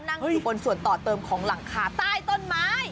นั่งอยู่บนส่วนต่อเติมของหลังคาใต้ต้นไม้